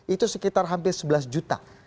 itu sekitar hampir sebelas juta